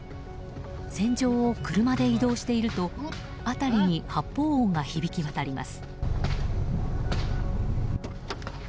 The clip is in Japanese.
戦場を車で移動していると辺りに発砲音が響き渡ります。